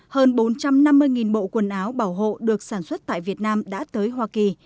hơn bốn trăm năm mươi bộ quần áo bảo hộ được sản xuất tại việt nam đã tới hoa kỳ